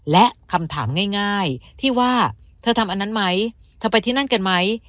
และคำถามง่ายที่ว่าเธอทำอันนั้นไหมเธอไปที่นั่นกันไหม